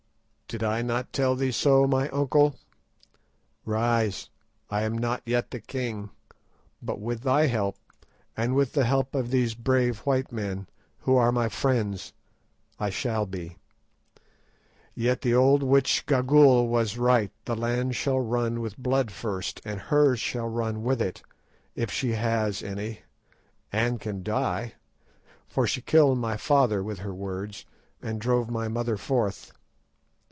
"Did I not tell thee so, my uncle? Rise; I am not yet the king, but with thy help, and with the help of these brave white men, who are my friends, I shall be. Yet the old witch Gagool was right, the land shall run with blood first, and hers shall run with it, if she has any and can die, for she killed my father with her words, and drove my mother forth.